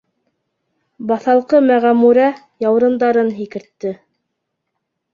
Баҫалҡы Мәғәмүрә яурындарын һикертте.